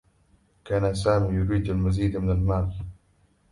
كان سامي يريد المزيد من المال.